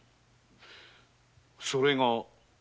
それが？